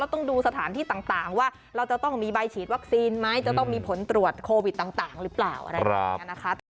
ต้องดูสถานที่ต่างว่าเราจะต้องมีใบฉีดวัคซีนไหมจะต้องมีผลตรวจโควิดต่างหรือเปล่าอะไรอย่างนี้นะคะ